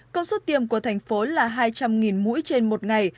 công suất tiềm của thành phố là hai trăm linh mũi trên một ngày